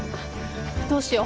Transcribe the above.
どうしよう。